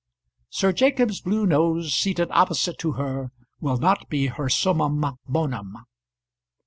Sir Jacob's blue nose seated opposite to her will not be her summum bonum.